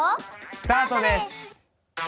スタートです！